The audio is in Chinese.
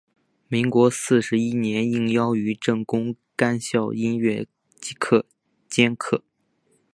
民国四十一年应邀于政工干校音乐科兼课。